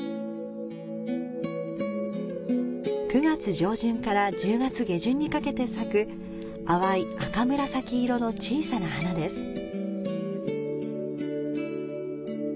９月上旬から１０月下旬にかけて咲く淡い赤紫色の小さな花です。